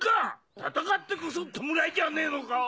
戦ってこそ弔いじゃねえのか？